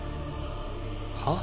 はっ？